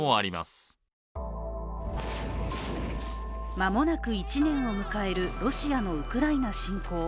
間もなく１年を迎えるロシアのウクライナ侵攻。